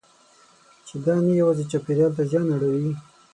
چې دا نه یوازې چاپېریال ته زیان اړوي.